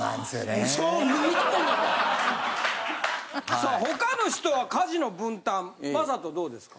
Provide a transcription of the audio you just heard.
さあ他の人は家事の分担魔裟斗どうですか？